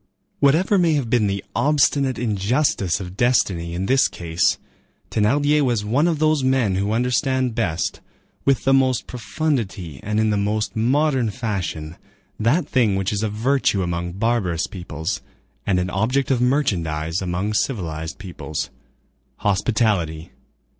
Whatever may have been the obstinate injustice of destiny in this case, Thénardier was one of those men who understand best, with the most profundity and in the most modern fashion, that thing which is a virtue among barbarous peoples and an object of merchandise among civilized peoples,—hospitality.